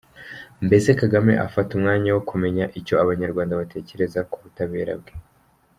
Mbese Kagame afata umwanya wo kumenya icyo abanyarwanda batekereza ku butabera bwe ?